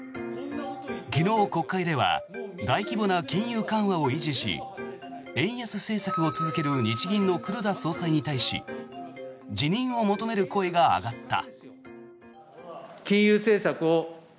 昨日、国会では大規模な金融緩和を維持し円安政策を続ける日銀の黒田総裁に対し辞任を求める声が上がった。